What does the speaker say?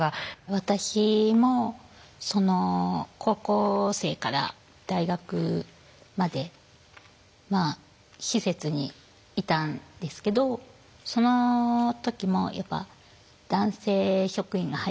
私も高校生から大学まで施設にいたんですけどその時もやっぱ男性職員が入ってたりしたんですよね。